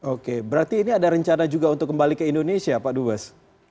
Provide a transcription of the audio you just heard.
oke berarti ini ada rencana juga untuk kembali ke indonesia pak dubes